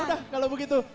yaudah kalau begitu